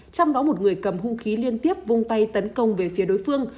trong đó một người cầm hung khí liên tiếp vung tay tấn công về phía đối phương